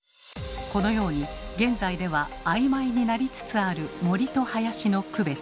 このように現在では曖昧になりつつある森と林の区別。